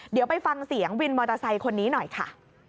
เดี๋ยวไปฟังเสียงวินมอเตอร์ไซค์คนนี้หน่อยค่ะ